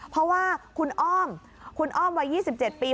เพราะว่าคุณอ้อมวัย๒๗ปี